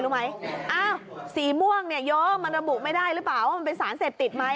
เมื่อไหร่ลูกไหมสีม่วงเนี่ยย้อมูไม่ได้หรือเปล่าเป็นสารเสพติดไหม